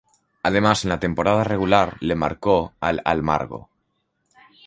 Además en la temporada regular le marcó al Almagro.